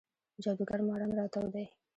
جادوګر ماران راتاو دی